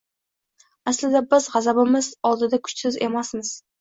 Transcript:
aslida biz g‘azabimiz oldida kuchsiz emasmiz.